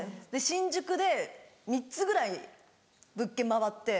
新宿で３つぐらい物件回って。